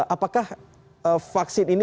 apakah vaksin ini